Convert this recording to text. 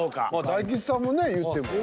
大吉さんもねいっても。